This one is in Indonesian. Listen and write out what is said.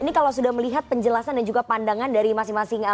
ini kalau sudah melihat penjelasan dan juga pandangan dari masing masing